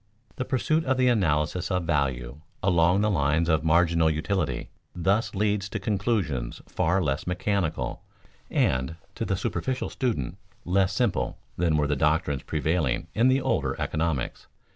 The pursuit of the analysis of value along the lines of marginal utility thus leads to conclusions far less mechanical, and, to the superficial student, less simple than were the doctrines prevailing in the older economics.